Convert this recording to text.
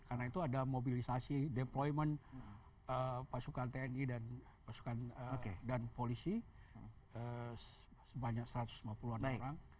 karena itu ada mobilisasi deployment pasukan tni dan polisi sebanyak satu ratus lima puluh orang